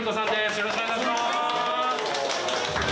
よろしくお願いします。